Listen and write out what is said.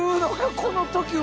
この時！